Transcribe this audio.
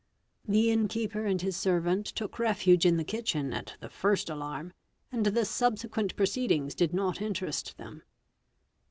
The inn keeper and his servant took refuge in the kitchen at the first alarm, and the subsequent proceedings did not interest them.